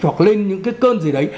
hoặc lên những cái cơn gì đấy